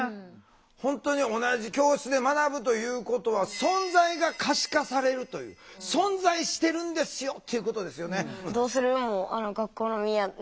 本当に同じ教室で学ぶということは存在が可視化されるという。存在してるんですよっていうことですよね。